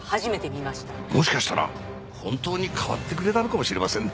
もしかしたら本当に変わってくれたのかもしれませんね。